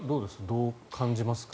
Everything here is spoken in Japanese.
どう感じますか？